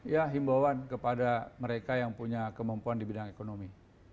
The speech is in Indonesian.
ya himbauan kepada mereka yang punya kemampuan di bidang ekonomi